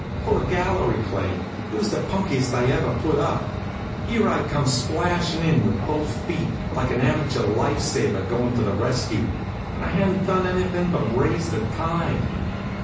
For a gallery play, it was the punkiest I ever put up. Here I'd come splashin' in with both feet, like an amateur life saver goin' to the rescue, and I hadn't done anything but raise the tide.